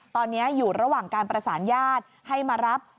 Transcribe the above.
ตอนนี้อยู่ระหว่างการประสานญาติให้มารับ